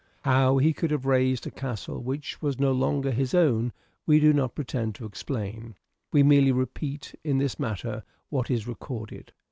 How he could have razed a castle which was no longer his own we do not pretend to explain : we merely repeat in this matter what is recorded.